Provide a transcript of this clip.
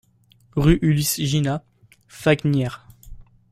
Rue Ulysse Ginat, Fagnières